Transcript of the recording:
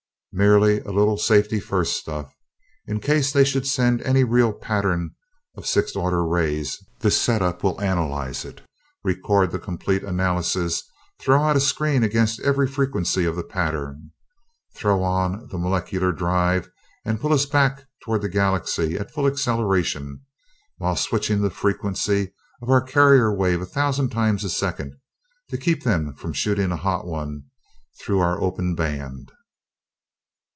"Merely a little safety first stuff. In case they should send any real pattern of sixth order rays this set up will analyze it, record the complete analysis, throw out a screen against every frequency of the pattern, throw on the molecular drive, and pull us back toward the galaxy at full acceleration, while switching the frequency of our carrier wave a thousand times a second, to keep them from shooting a hot one through our open band.